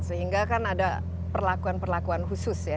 sehingga kan ada perlakuan perlakuan khusus ya